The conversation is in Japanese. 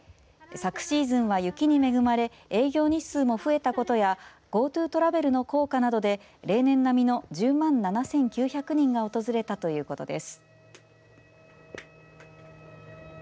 昨シーズンは雪に恵まれ営業日数も増えたことやＧｏＴｏトラベルの効果などで例年並みの１０万７９００人が訪れたということです。